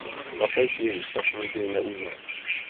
Papež jej však nikdy neuznal.